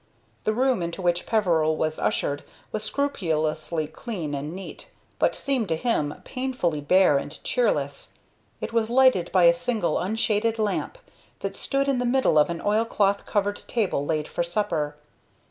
The room into which Peveril was ushered was scrupulously clean and neat, but seemed to him painfully bare and cheerless. It was lighted by a single, unshaded lamp, that stood in the middle of an oilcloth covered table laid for supper.